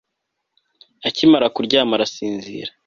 Akimara kuryama arasinzira